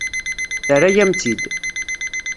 Terra-yam-tt-id.